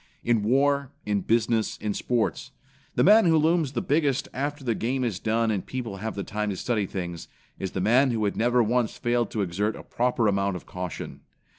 In war, in business, in sports, the man who looms the biggest after the game is done and people have the time to study things, is the man who had never once failed to exercise a proper amount of caution.